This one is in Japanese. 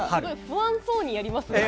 不安そうにやりますね。